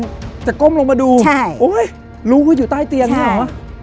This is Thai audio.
คืนน่าจะก้มลงมาดูโอ้โฮลูกคืออยู่ใต้เตียงใช่